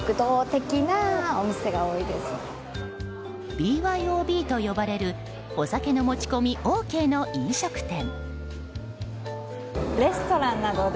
ＢＹＯＢと呼ばれるお酒の持ち込みＯＫの飲食店。